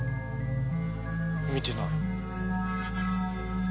見てない。